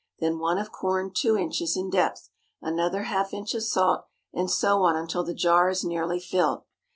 Then one of corn two inches in depth, another half inch of salt, and so on until the jar is nearly filled.